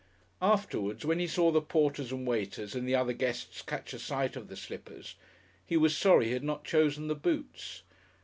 Afterwards, when he saw the porters and waiters and the other guests catch a sight of the slippers, he was sorry he had not chosen the boots.